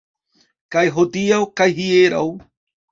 Kaj hodiaŭ kaj hieraŭ.